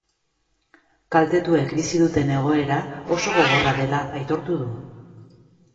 Kaltetuek bizi duten egoera oso gogorra dela aitortu du.